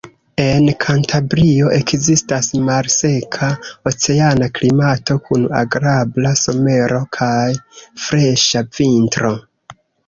En Kantabrio ekzistas malseka oceana klimato kun agrabla somero kaj freŝa vintro.